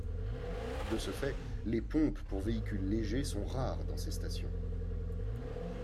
De ce fait, les pompes pour véhicules légers sont rares dans ses stations.